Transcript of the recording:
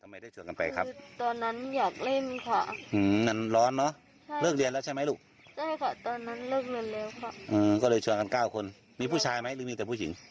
มีผู้ชายไหมหรือมีแต่ผู้หญิงมีผู้ชายด้วยค่ะ